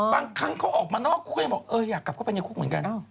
บางครั้งเขาออกมานอกคุณก็บอกว่าอยากกลับไปให้คุกเหมือนกัน